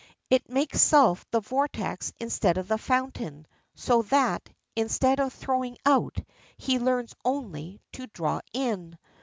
It makes self the vortex instead of the fountain, so that, instead of throwing out, he learns only to draw in.